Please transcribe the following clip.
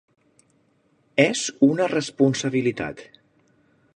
És una responsabilitat.